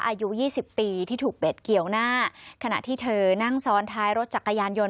อายุยี่สิบปีที่ถูกเบ็ดเกี่ยวหน้าขณะที่เธอนั่งซ้อนท้ายรถจักรยานยนต